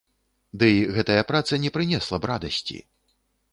Дый гэтая праца не прынесла б радасці.